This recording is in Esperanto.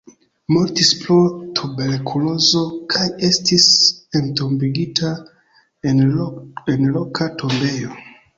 Mortis pro tuberkulozo kaj estis entombigita en loka tombejo.